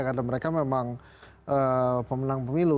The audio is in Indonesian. karena mereka memang pemenang pemilu